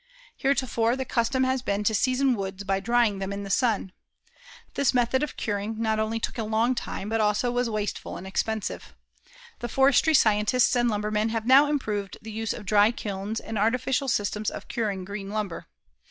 Heretofore, the custom has been to season woods by drying them in the sun. This method of curing not only took a long time but also was wasteful and expensive. The forestry scientists and lumbermen have now improved the use of dry kilns and artificial systems of curing green lumber.